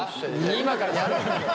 今からやるんだよ。